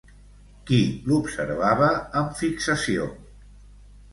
Qui l'observava amb fixació?